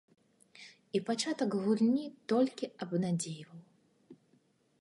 І пачатак гульні толькі абнадзейваў.